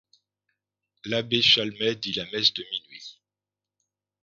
L'abbé Chalmey dit la messe de minuit.